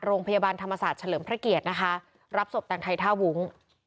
โรงพยาบาลธรรมศาสตร์เฉลิมพระเกียรตินะคะรับศพแต่งไทยท่าวุ้ง